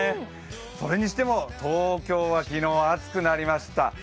それにしても、東京は昨日、暑くなりました。